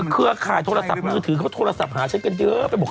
เครือข่ายโทรศัพท์มือถือเขาโทรศัพท์หาฉันกันเยอะไปบอก